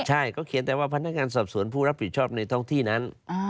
ใช่เขาเขียนแต่ว่าพนักงานสอบสวนผู้รับผิดชอบในท้องที่นั้น